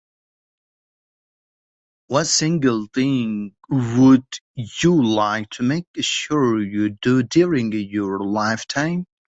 What single thing would you like to make you sure you do during your lifetime?